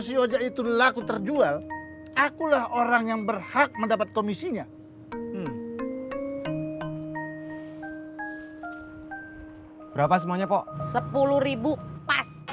si ojek itu laku terjual akulah orang yang berhak mendapat komisinya berapa semuanya kok sepuluh pas